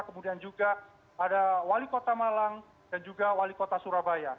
kemudian juga ada wali kota malang dan juga wali kota surabaya